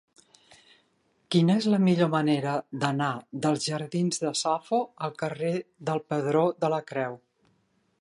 Quina és la millor manera d'anar dels jardins de Safo al carrer del Pedró de la Creu?